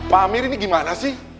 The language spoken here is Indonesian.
pak amir ini gimana sih